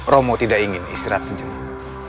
romo tidak ingin istirahat sejenak